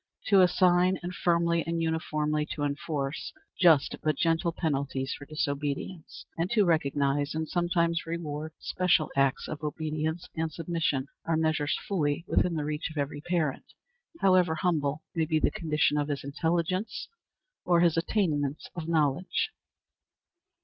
To assign, and firmly and uniformly to enforce, just but gentle penalties for disobedience, and to recognize, and sometimes reward, special acts of obedience and submission, are measures fully within the reach of every parent, however humble may be the condition of his intelligence or his attainments of knowledge.